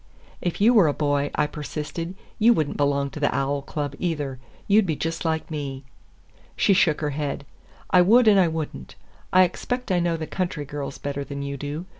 "If you were a boy," I persisted, "you would n't belong to the Owl Club, either. You'd be just like me." She shook her head. "I would and I would n't. I expect I know the country girls better than you do.